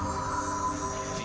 aku akan memperbaiki suamiku